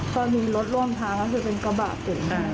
ก็มีรถล่วงทางคือเป็นกระบากเกิดขึ้นมา